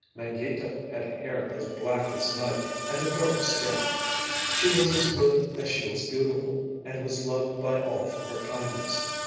Mangita had hair as black as night and a dark skin. She was as good as she was beautiful, and was loved by all for her kindness.